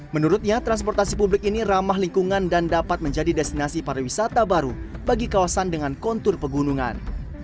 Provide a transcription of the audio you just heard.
menurutnya transportasi publik ini ramah lingkungan dan dapat menjadi destinasi pariwisata baru bagi kawasan dengan kontur pegunungan